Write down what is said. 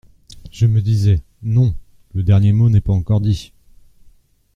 Je me disais : non ! le dernier mot n’est pas encore dit !